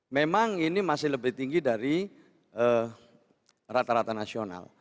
memang ini masih lebih tinggi dari rata rata nasional